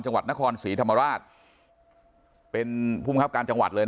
จังหวัดนครศรีธรรมราชเป็นภูมิครับการจังหวัดเลยนะ